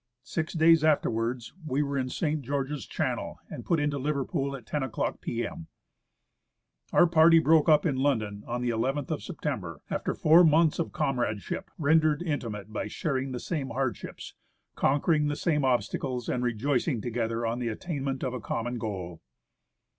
Six days afterwards we were in St. George's Channel, and put Into Liverpool at 10 o'clock p.m. 1S2 BACK TO EUROPE— FROM YAKUTAT TO LONDON Our party broke up in London on the i ith of September, after four months of comradesliip rendered intimate by sharing the same hardships, conquering the same obstacles, and rejoicing together on the attainment of a common goal.